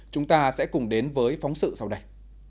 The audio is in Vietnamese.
chúng ta sẽ cùng đến với phóng sự sau đây